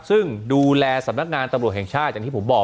ซึ่งดูแลสำนักงานตำรวจแห่งชาติอย่างที่ผมบอก